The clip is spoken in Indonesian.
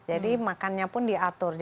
jadi makannya pun diatur